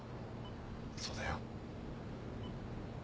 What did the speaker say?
そうだよ。